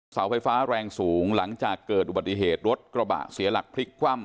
เสาไฟฟ้าแรงสูงหลังจากเกิดอุบัติเหตุรถกระบะเสียหลักพลิกคว่ำ